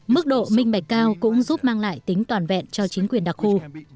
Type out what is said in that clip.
mức độ minh bạch cao cũng giúp mang lại tính toàn vẹn cho chính quyền đặc khu